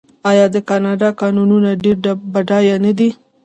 آیا د کاناډا کانونه ډیر بډایه نه دي؟